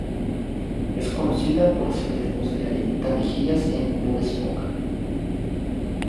Es conocida por hacer de voz de Arenita Mejillas en "Bob Esponja".